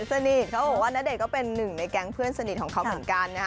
สนิทเขาบอกว่าณเดชนก็เป็นหนึ่งในแก๊งเพื่อนสนิทของเขาเหมือนกันนะฮะ